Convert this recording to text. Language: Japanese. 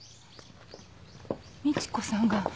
美智子さんが。